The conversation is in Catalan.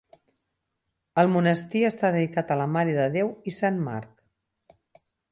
El monestir està dedicat a la Mare de Déu i Sant Marc.